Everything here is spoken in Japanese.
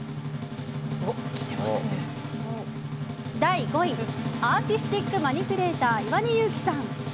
第５位、アーティスティックマニピュレーター岩根佑樹さん。